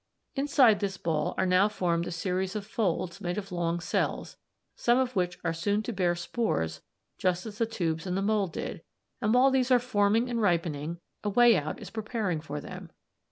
Inside this ball are now formed a series of folds made of long cells, some of which are soon to bear spores just as the tubes in the mould did, and while these are forming and ripening, a way out is preparing for them.